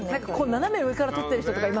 斜め上から撮っている人とか。